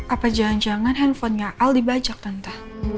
apa jangan jangan handphonenya al dibajak tante